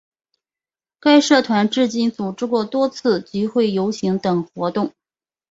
该社团至今组织过多次集会游行等活动。